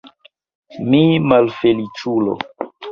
Mi malfeliĉulo!